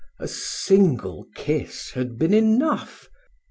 A single kiss had been enough.